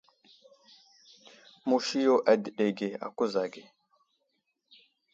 Musi yo adəɗege a kuza age.